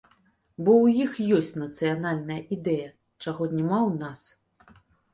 Бо ў іх ёсць нацыянальная ідэя, чаго няма ў нас.